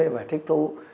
và thích thú